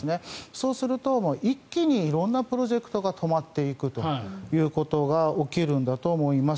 そうすると一気に色んなプロジェクトが止まっていくということが起きるんだと思います。